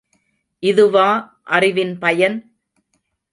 இதுவா அறிவின் பயன்?